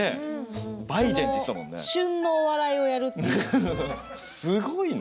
その旬のお笑いをやるっていうね。